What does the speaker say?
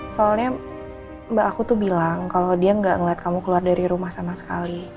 soalnya mbak aku tuh bilang kalau dia nggak ngeliat kamu keluar dari rumah sama sekali